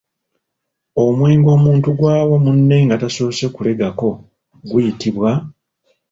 Omwenge omuntu gw'awa munne nga tasoose kulegako guyitibwa?